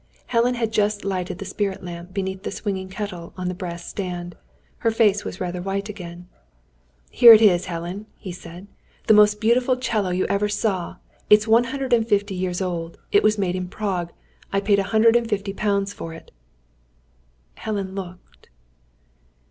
Helen had just lighted the spirit lamp beneath the swinging kettle on the brass stand. Her face was rather white again. "Here it is, Helen," he said. "The most beautiful 'cello you ever saw! It is one hundred and fifty years old. It was made at Prague. I paid a hundred and fifty pounds for it." Helen looked.